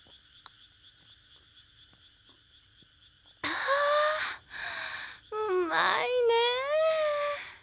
ああうまいねえ。